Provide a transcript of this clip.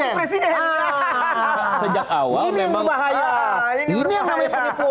ini yang berbahaya